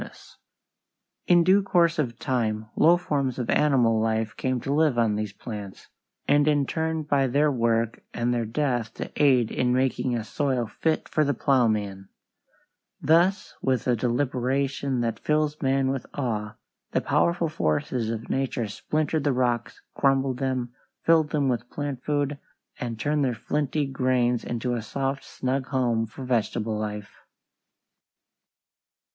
[Illustration: FIG. 2. GROUND ROCK AT END OF A GLACIER] In due course of time low forms of animal life came to live on these plants, and in turn by their work and their death to aid in making a soil fit for the plowman. Thus with a deliberation that fills man with awe, the powerful forces of nature splintered the rocks, crumbled them, filled them with plant food, and turned their flinty grains into a soft, snug home for vegetable life.